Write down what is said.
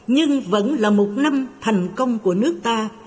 nhưng vẫn là một năm thành công của nước ta